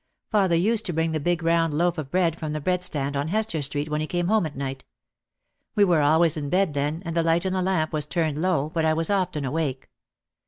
Father used to bring the big round loaf of bread from the bread stand on Hester Street when he came home at night. We were always in bed then and the light in the lamp was turned low but I was often awake.